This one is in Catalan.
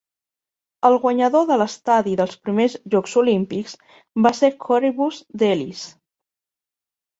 El guanyador de l""estadi" dels primers Jocs Olímpics va ser Coroebus d"Elis.